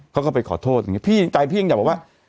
เขาก็ไปขอโทษอย่างนี้พี่ใจพี่ยังอยากบอกว่า